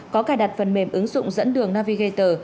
có cài đặt phần mềm ứng dụng dẫn đường navigate